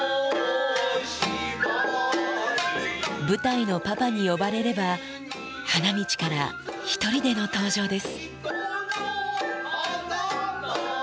舞台のパパに呼ばれれば、花道から一人での登場です。